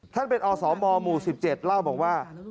ท่านเป็นอสมหมู่๑๗เล่าบอกว่า